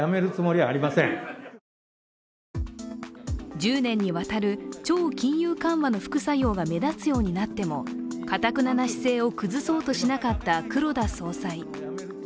１０年にわたる超金融緩和の副作用が目立つようになってもかたくなな姿勢を崩そうとしなかった黒田総裁。